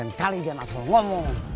lain kali dia masuk ngomong